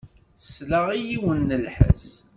Tesla i yiwen n lḥess.